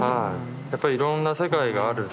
やっぱりいろんな世界がある。